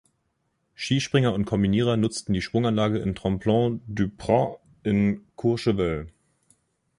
Skispringer und Kombinierer nutzten die Sprunganlage Tremplin du Praz in Courchevel.